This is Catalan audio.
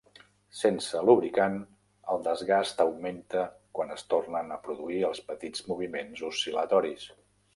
Sense lubricant, el desgast augmenta quan es tornen a produir els petits moviments oscil·latoris.